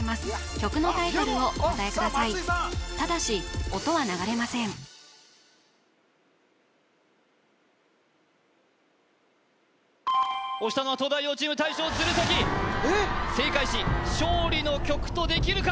曲のタイトルをお答えくださいただし音は流れません押したのは東大王チーム大将鶴崎正解し勝利の曲とできるか？